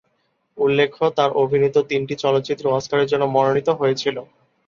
উল্লেখ্য, তার অভিনীত তিনটি চলচ্চিত্র অস্কারের জন্য মনোনীত হয়েছিলো।